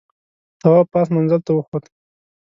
تواب پاس منزل ته وخوت.